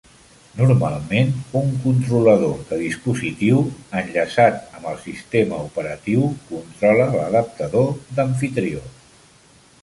Normalment un controlador de dispositiu, enllaçat amb el sistema operatiu, controla l'adaptador d'amfitrió.